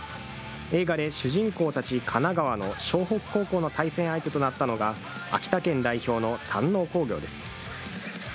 映画で主人公たち神奈川の湘北高校の対戦相手となったのが、秋田県代表の山王工業です。